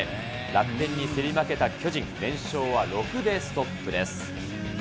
楽天に競り負けた巨人、連勝は６でストップです。